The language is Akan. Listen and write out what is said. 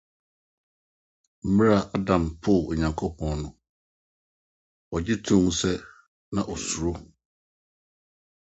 Bere a Adam poo Onyankopɔn no, ogye toom sɛ na ‘ osuro. ’